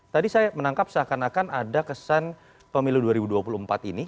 tadi saya menangkap seakan akan ada kesan pemilu dua ribu dua puluh empat ini